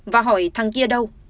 và hỏi thằng kia đâu